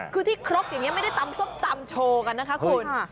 คือที่ครกอย่างนี้ไม่ได้ตำส้มตำโชว์กันนะคะคุณ